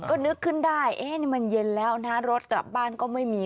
ก็นึกขึ้นได้นี่มันเย็นแล้วนะรถกลับบ้านก็ไม่มี